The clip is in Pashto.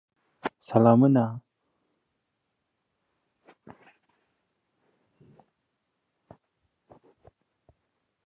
ځلېدنه د مصنوعي او طبیعي څراغونو له امله رامنځته شوې.